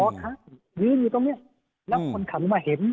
อ๋อครับนิ้มอยู่ตรงนี้แล้วคนขับรถมาเห็น